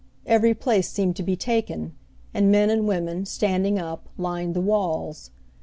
Every place seemed to be taken, and men and women, standing up, lined the walls.